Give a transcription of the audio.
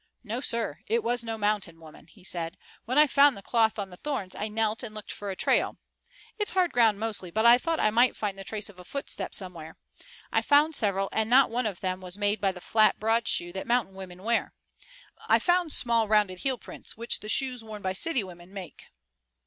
"No, sir, it was no mountain woman," he said. "When I found the cloth on the thorns I knelt and looked for a trail. It's hard ground mostly, but I thought I might find the trace of a footstep somewhere. I found several, and not one of them was made by the flat, broad shoe that mountain women wear. I found small rounded heel prints which the shoes worn by city women make."